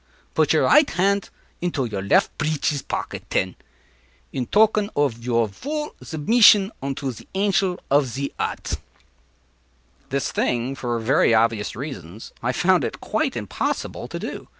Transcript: “Put your right hand into your left hand preeches pocket, ten, in token ov your vull zubmizzion unto te Angel ov te Odd.” This thing, for very obvious reasons, I found it quite impossible to do.